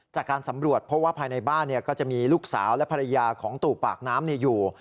จากการสำรวจเพราะว่าภายในบ้านก็จะมีลูกสาวและภรรยาของตู่ปากน้ำอยู่